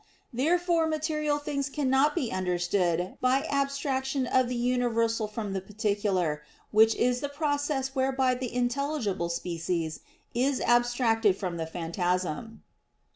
Therefore material things cannot be understood by abstraction of the universal from the particular, which is the process whereby the intelligible species is abstracted from the phantasm.